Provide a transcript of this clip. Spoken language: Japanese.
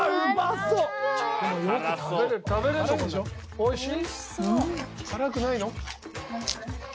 おいしい！